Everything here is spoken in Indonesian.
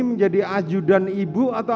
menjadi ajudan ibu atau